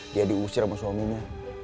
dia diusir sama suaminya